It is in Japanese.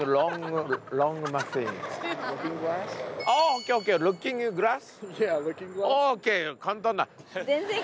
ＯＫＯＫルッキンググラス？